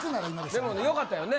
でもよかったよね？